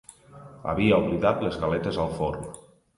Havia oblidat les galetes al forn.